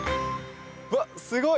うわ、すごい！